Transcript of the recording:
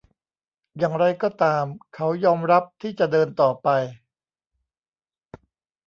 อย่างไรก็ตาม เขายอมรับที่จะเดินต่อไป